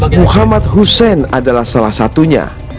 muhammad hussein adalah salah satunya